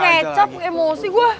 pukul kecap emosi gue